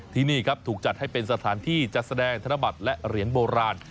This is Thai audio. ที่นี่ครับถูกจัดให้เป็นสถานที่จัดแสดงธนบัตรและเหรียญโบราณ